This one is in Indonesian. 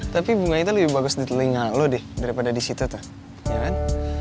tapi bunga itu lebih bagus di telinga lo deh daripada di situ tuh ya kan